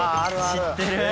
知ってる！